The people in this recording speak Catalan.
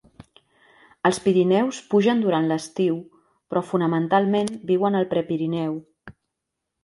Als Pirineus pugen durant l'estiu però, fonamentalment, viuen al Prepirineu.